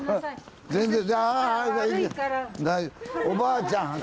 おばあちゃん